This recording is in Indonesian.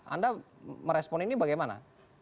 anda merespon ini bagaimana